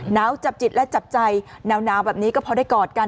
หนาวจับจิตและจับใจหนาวแบบนี้ก็พอได้กอดกัน